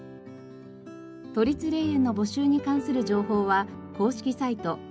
都立霊園の募集に関する情報は公式サイト